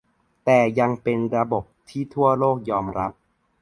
แต่ยังเป็นระบบที่ทั่วโลกยอมรับ